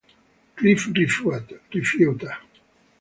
Cliff rifiuta.